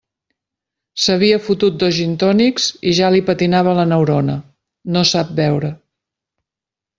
S'havia fotut dos gintònics i ja li patinava la neurona; no sap beure.